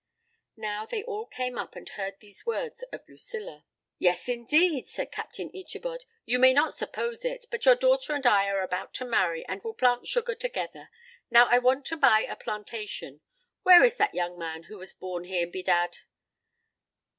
Now they all came up and heard these words of Lucilla. "Yes, indeed," said Captain Ichabod, "you may not suppose it, but your daughter and I are about to marry, and will plant sugar together. Now, I want to buy a plantation. Where is that young man who was born here, bedad?"